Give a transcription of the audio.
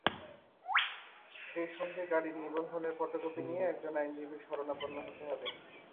সেই সঙ্গে গাড়ির নিবন্ধনের ফটোকপি নিয়ে একজন আইনজীবীর শরণাপন্ন হতে হবে।